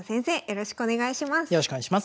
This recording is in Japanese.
よろしくお願いします。